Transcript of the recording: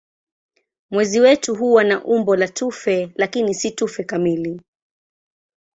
Mwezi wetu huwa na umbo la tufe lakini si tufe kamili.